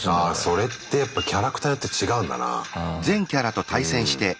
それってやっぱキャラクターによって違うんだな。